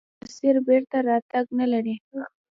مسیر بېرته راتګ نلري.